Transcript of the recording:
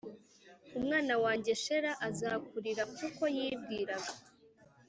umwana wanjye Shela azakurira Kuko yibwiraga